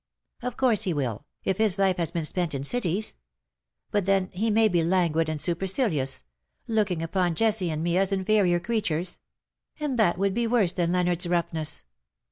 Of course he will, if his life has been spent in cities; but then he may be languid and supercilious, looking upon Jessie and THE DAYS THAT ARE NO MORE. 33 me as inferior creatures ; and that would be worse than Leonardos roughness.